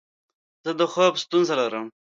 زه د خوب ستونزه لرم.